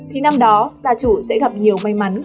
thì năm đó gia chủ sẽ gặp nhiều may mắn